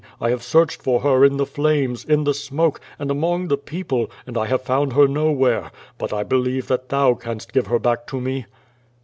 I have searched for her in the flames, in the smoke, and among the people, and I have found her nowhere. But I believe that thou canst give her back to me."